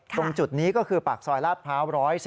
ตรงจุดนี้คือปากสอยราดเผา๑๑๐